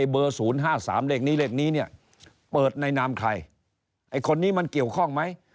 เบอร์๐๕๓เลขนี้เลขนี้เนี่ยเปิดในนามใครไอ้คนนี้มันเกี่ยวข้องไหม